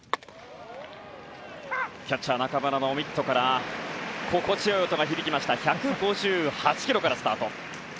キャッチャー、中村のミットから心地よい音が響きまして１５８キロからスタート。